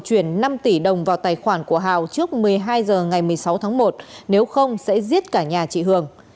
chuyển năm tỷ đồng vào tài khoản của hào trước một mươi hai h ngày một mươi sáu tháng một nếu không sẽ giết cả nhà chị hường